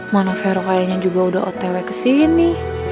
mana vero kayaknya juga udah otw kesini